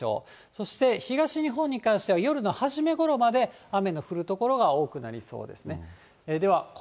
そして、東日本に関しては、夜の初め頃まで雨が降る所が多くなりそうですね。